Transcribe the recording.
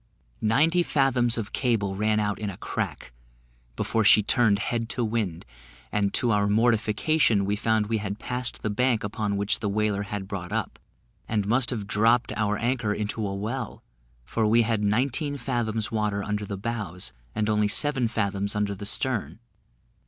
Ninety fathoms of cable ran out in a crack, before she turned head to wind; and, to our mortification, we found we had passed the bank upon which the whaler had brought up, and must have dropped our anchor into a well, for we had nineteen fathoms water under the bows, and only seven fathoms under the stern.